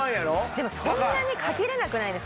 でもそんなにかけられなくないですか？